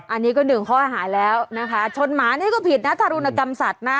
อันนี้ก็หนึ่งข้อหาแล้วนะคะชนหมานี่ก็ผิดนะทารุณกรรมสัตว์นะ